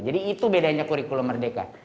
jadi itu bedanya kurikulum merdeka